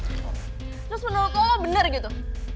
terus menurut lo lo benar gitu